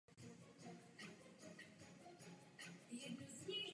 Dvůr je v současnosti hospodářsky využíván a potřebuje nutně opravu.